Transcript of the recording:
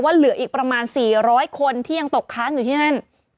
เหลืออีกประมาณ๔๐๐คนที่ยังตกค้างอยู่ที่นั่น